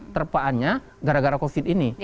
terpaannya gara gara covid ini